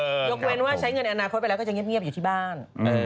ยกเว้นว่าใช้เงินในอนาคตไปแล้วก็จะเงียบอยู่ที่บ้าน